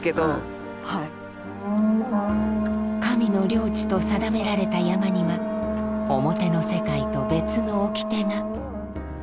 神の領地と定められた山には表の世界と別の掟が。